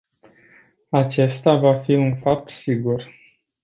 Acesta va fi un fapt sigur.